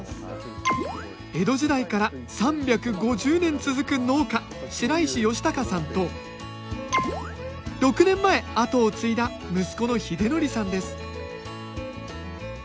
江戸時代から３５０年続く農家白石好孝さんと６年前後を継いだ息子の秀徳さんです